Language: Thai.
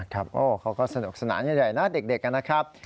เขาก็สนุกสนานใหญ่นะเด็กนะครับ